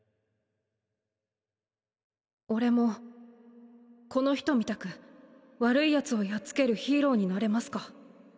俺もこの人みたく悪い奴をやっつけるヒーローになれますか？